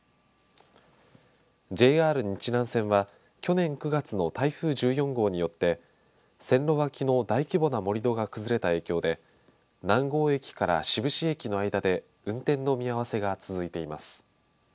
ＪＲ日南線は去年９月の台風１４号によって線路わきの大規模な盛り土が崩れた影響で南郷駅から志布志駅の間で運転の見合わせが続いています。